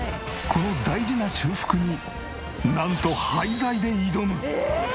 この大事な修復になんと廃材で挑む！ええーっ！